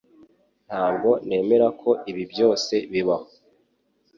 Ntabwo nemera ko ibi byose bibaho